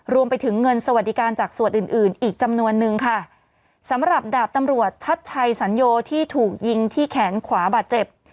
รวมไปถึงเงินสวัสดิการจากส่วนอื่นอื่นอีกจำนวนนึงค่ะสำหรับดาบตำรวจชัดชัยสัญโยที่ถูกยิงที่แขนขวาบาดเจ็บ